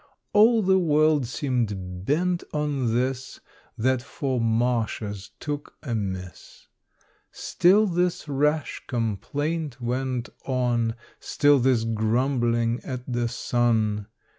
All the world seemed bent on this, That four marshes took amiss. Still this rash complaint went on: Still this grumbling at the sun.